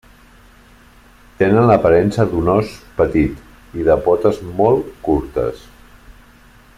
Tenen l'aparença d'un ós petit i de potes molt curtes.